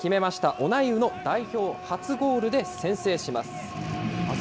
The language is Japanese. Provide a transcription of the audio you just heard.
オナイウの代表初ゴールで先制します。